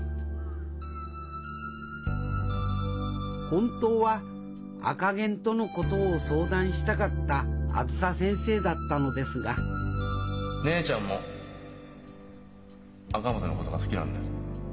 本当は赤ゲンとのことを相談したかったあづさ先生だったのですが姉ちゃんも赤松のことが好きなんだよ。